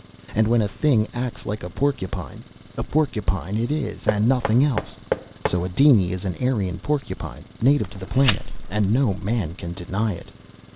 And when a thing acts like a porcupine, a porcupine it is and nothing else! So a diny is a Eirean porcupine, native to the planet, and no man can deny it!